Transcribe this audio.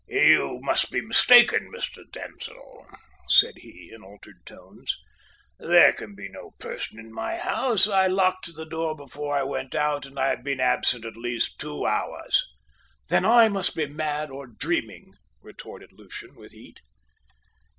"You must be mistaken, Mr. Denzil," said he in altered tones, "there can be no person in my house. I locked the door before I went out, and I have been absent at least two hours." "Then I must be mad, or dreaming!" retorted Lucian, with heat.